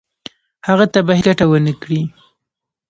هغه ته به هیڅ ګټه ونه کړي.